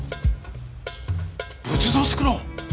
仏像を作ろう。